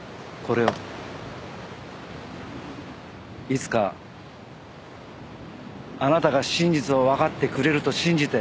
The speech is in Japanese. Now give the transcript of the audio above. いつかあなたが真実をわかってくれると信じて。